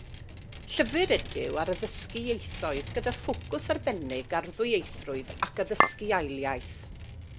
Llyfr ydyw ar addysgu ieithoedd gyda ffocws arbennig ar ddwyieithrwydd ac addysgu ail iaith.